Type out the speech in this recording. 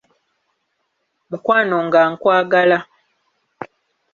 Mukwano nga nkwagala.